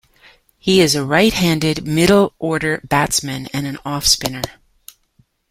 He is a right-handed middle order batsman and an off-spinner.